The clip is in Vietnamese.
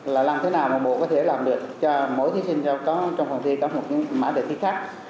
là làm thế nào một bộ có thể làm được cho mỗi thí sinh trong một phòng thi có một mã đề thi khác